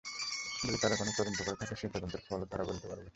যদি তারা কোনো তদন্ত করে থাকে সেই তদন্তের ফলও তারাই বলতে পারবে।